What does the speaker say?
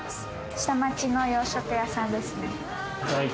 下町の洋食屋さんですね。